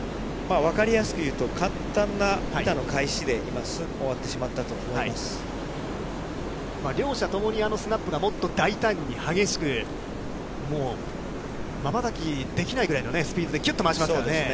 分かりやすく言うと簡単な板の返しで、すぐ終わってしまった両者ともにあのスナップがもっと大胆に激しく、もう、瞬きできないぐらいのスピードでぎゅっと回しますからね。